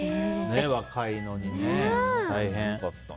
若いのにね、大変。